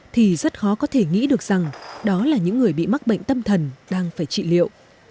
thì rất khó có thể nghĩ được rằng đó là những người bị mắc bệnh tâm thần đang phải trị liệu